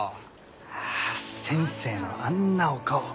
あ先生のあんなお顔